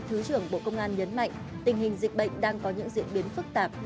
thứ trưởng bộ công an nhấn mạnh tình hình dịch bệnh đang có những diễn biến phức tạp